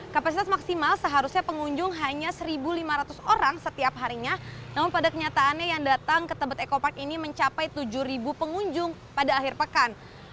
kapasitas maksimal seharusnya pengunjung hanya satu lima ratus orang setiap harinya namun pada kenyataannya yang datang ke tebet eco park ini mencapai tujuh pengunjung pada akhir pekan